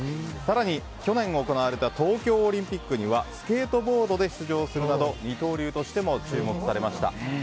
更に去年行われた東京オリンピックにはスケートボードで出場するなど二刀流としても注目されました。